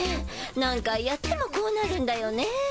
何回やってもこうなるんだよね。